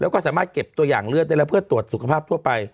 แล้วก็สามารถเก็บตัวอย่างเลือดได้แล้วเพื่อตรวจสุขภาพทั่วไป